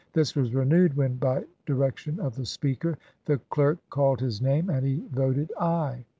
This was renewed when by direction of the Speaker the clerk called his name and he voted aye.